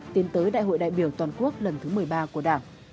tiến tới đại hội đại biểu toàn quốc lần thứ một mươi ba của đảng